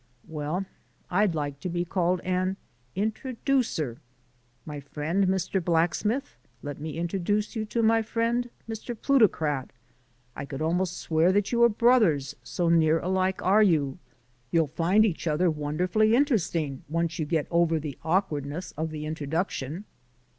"Well, I'd like to be called an Introducer. My friend, Mr. Blacksmith, let me introduce you to my friend, Mr. Plutocrat. I could almost swear that you were brothers, so near alike are you! You'll find each other wonderfully interesting once you get over the awkwardness of the introduction.